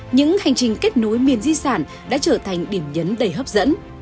những hành trình kết nối miền di sản đã trở thành điểm nhấn đầy hấp dẫn